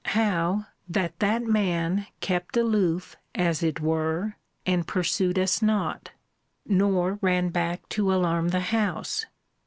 how, that that man kept aloof, as it were, and pursued us not; nor ran back to alarm the house?